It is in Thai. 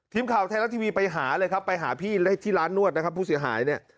ทีมข่าวไทยรัฐทีวีไปหาเลยครับไปหาพี่ที่ร้านนวดนะครับผู้เสียหายเนี่ย